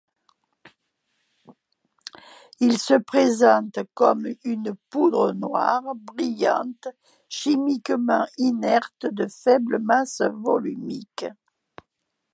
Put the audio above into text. Il se présente comme une poudre noire brillante chimiquement inerte de faible masse volumique.